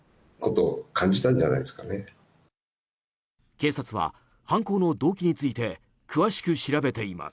警察は犯行の動機について詳しく調べています。